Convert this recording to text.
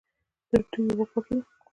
د دوی اوبه پاکې دي.